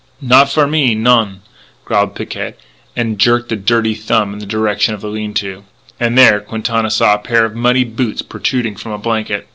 "Not for me, non," growled Picquet, and jerked a dirty thumb in the direction of the lean to. And there Quintana saw a pair of muddy boots protruding from a blanket.